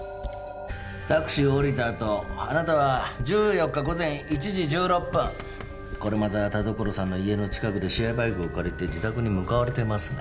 タクシーを降りたあとあなたは１４日午前１時１６分これまた田所さんの家の近くでシェアバイクを借りて自宅に向かわれてますね